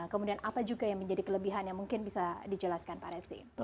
kemudian apa juga yang menjadi kelebihan yang mungkin bisa dijelaskan pak resi